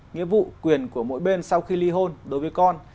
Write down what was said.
nghĩa vụ quyền của mỗi bên sau khi ly hôn đối với con